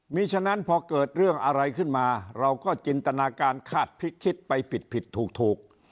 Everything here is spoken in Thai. มีฉะนั้นพอเกิดเรื่องอะไรขึ้นมาเราก็จินตนาการคาดพิษคิดไปผิดผิดถูก